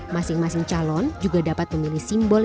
masing masing calon juga dapat memilih simbol